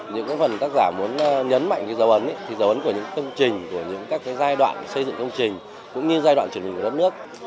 những phần tác giả muốn nhấn mạnh dấu ấn dấu ấn của những công trình của những các giai đoạn xây dựng công trình cũng như giai đoạn truyền hình của đất nước